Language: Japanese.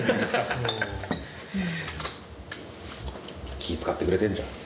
気ぃ遣ってくれてんじゃん。